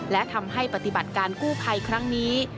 และทำให้ปฏิบัติการกู้ภัยครั้งนี้